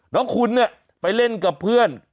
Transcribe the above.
น้องคุณเนี่ยไปเล่นกับเพื่อน